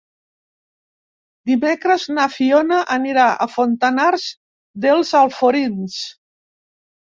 Dimecres na Fiona anirà a Fontanars dels Alforins.